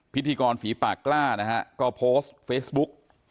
พิธีกรฝีปากกล้านะฮะก็โพสต์เฟซบุ๊ก